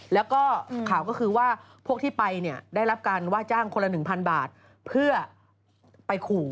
แล้วก็ข่าวก็คือว่าพวกที่ไปเนี่ยได้รับการว่าจ้างคนละ๑๐๐บาทเพื่อไปขู่